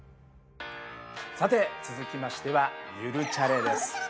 さて続きましては「ゆるチャレ」です。